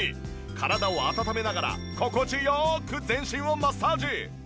体を温めながら心地良く全身をマッサージ！